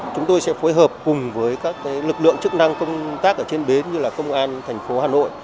chúng tôi sẽ phối hợp cùng với các lực lượng chức năng công tác ở trên bến như là công an thành phố hà nội